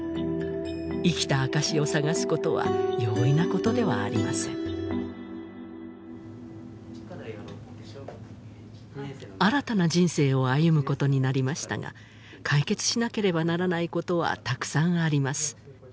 生きた証しを探すことは容易なことではありません新たな人生を歩むことになりましたが解決しなければならないことはたくさんあります